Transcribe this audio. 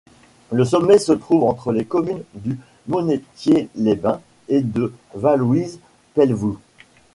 Le sommet se trouve entre les communes du Monêtier-les-Bains et de Vallouise-Pelvoux.